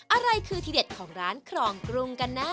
อะไรคือทีเด็ดของร้านครองกรุงกันนะ